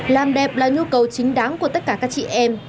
làm đẹp là nhu cầu chính đáng của tất cả các chị em